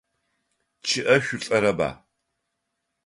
ЧъыӀэ шъулӀэрэба?